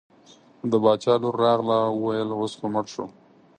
د باچا لور راغله وویل اوس خو مړ شو.